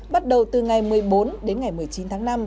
bắt đầu từ ngày một mươi bốn đến ngày một mươi chín tháng năm